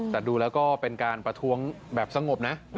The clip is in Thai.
แต่ดูแล้วก็เป็นการประท้วงแบบสงบนะ